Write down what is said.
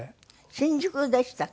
新宿でしたっけ？